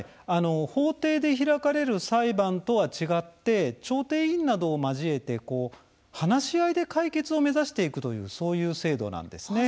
法廷で開かれる裁判とは違って、調停委員などを交えて話し合いで解決を目指していくという、そういう制度なんですね。